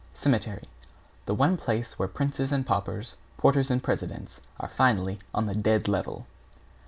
=CEMETERY= The one place where princes and paupers, porters and presidents are finally on the dead level.